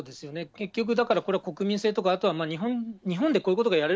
結局、だからこれ、国民性とか、あとは日本でこういうことがやれ